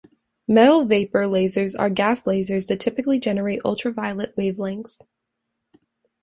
Metal-vapor lasers are gas lasers that typically generate ultraviolet wavelengths.